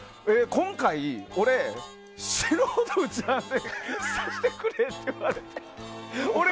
今回、俺、死ぬほど打ち合わせさせてくれって言われて。